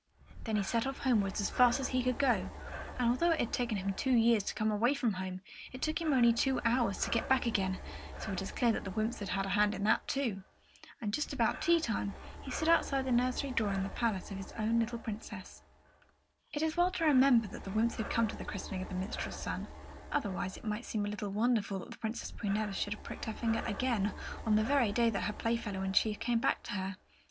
Then off he set homewards as fast as he could go; and although it had taken him two years to come away from home, it only took him two hours to get back again, so it is clear that the wymps must have had a hand in that, too. And just about tea time he stood outside the nursery door in the palace of his own little Princess. It is well to remember that the wymps had come to the christening of the minstrel's son; otherwise it might seem a little wonderful that the Princess Prunella should have pricked her finger again, on the very day that her Playfellow in chief came back to her.